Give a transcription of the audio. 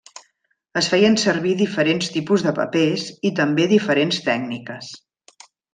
Es feien servir diferents tipus de papers i també diferents tècniques.